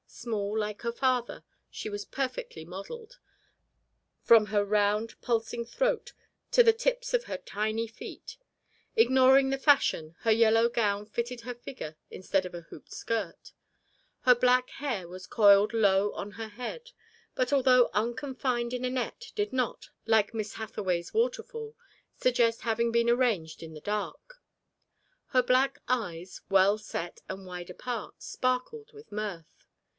Small, like her father, she was perfectly modelled, from her round pulsing throat to the tips of her tiny feet: ignoring the fashion, her yellow gown fitted her figure instead of a hoop skirt. Her black hair was coiled low on her head, but, although unconfined in a net, did not, like Miss Hathaway's "waterfall," suggest having been arranged in the dark. Her black eyes, well set and wide apart, sparkled with mirth.